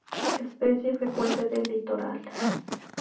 Especie frecuente de litoral.